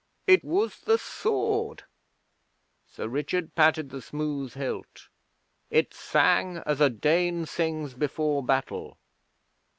'It was the Sword.' Sir Richard patted the smooth hilt. 'It sang as a Dane sings before battle.